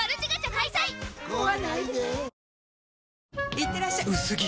いってらっしゃ薄着！